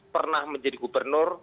pernah menjadi gubernur